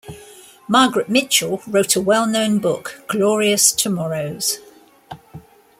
Margaret Mitchell wrote a well known book, "Glorious Tomorrows".